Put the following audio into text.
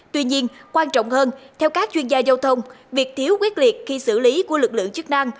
tuy nhiên quan trọng hơn theo các chuyên gia giao thông việc thiếu quyết liệt khi xử lý của lực lượng chức năng